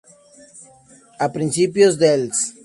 A principios dels.